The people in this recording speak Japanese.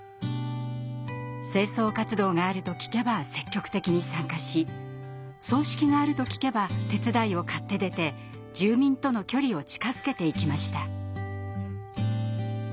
清掃活動があると聞けば積極的に参加し葬式があると聞けば手伝いを買って出て住民との距離を近づけていきました。